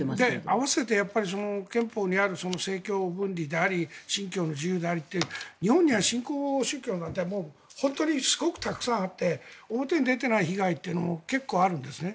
併せて憲法にある政教分離であり信教の自由であり日本には新興宗教なんて本当にすごくたくさんあって表に出ていない被害というのもいっぱいあるんですね。